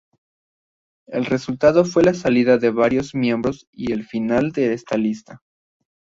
El resultado fue la salida de varios miembros y el final de esta lista.